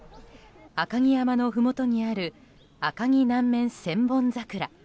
赤城山のふもとにある赤城南面千本桜。